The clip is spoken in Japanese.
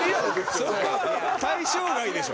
そこは対象外でしょ。